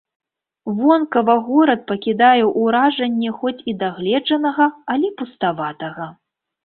Вонкава горад пакідае ўражанне хоць і дагледжанага, але пуставатага.